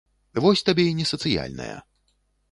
Вось табе і не сацыяльная.